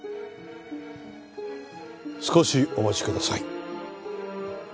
少しお待ちください。